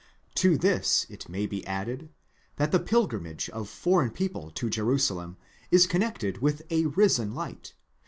ΤῸ this it may be added, that the pilgrimage of foreign people to Jerusalem is connected with a risen light